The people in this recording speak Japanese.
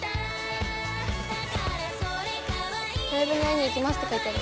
「ＬＩＶＥに会いに行きます！」って書いてある。